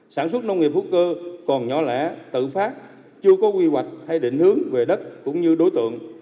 sản xuất nông nghiệp hữu cơ còn nhỏ lẻ tự phát chưa có quy hoạch hay định hướng về đất cũng như đối tượng